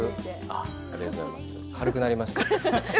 軽くなりました。